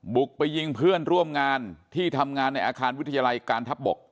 บุกไปยิงเพื่อนร่วมงานที่ทำงานในอาคารวิทยาลัยการทัพบก